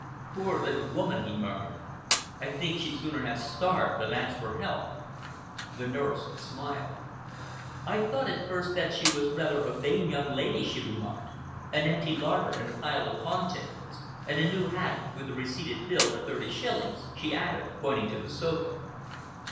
"Poor little woman!" he murmured. "I think she'd sooner have starved than ask for help." The nurse smiled. "I thought at first that she was rather a vain young lady," she remarked. "An empty larder and a pile of pawn tickets, and a new hat with a receipted bill for thirty shillings," she added, pointing to the sofa.